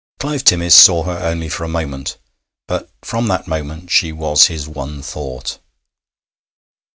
Clive Timmis saw her only for a moment, but from that moment she was his one thought.